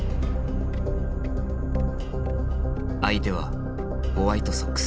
相手はホワイトソックス。